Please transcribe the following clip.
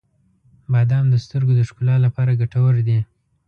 • بادام د سترګو د ښکلا لپاره ګټور دي.